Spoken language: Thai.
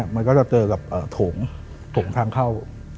มันก็จะเจอกับโถงทางเข้า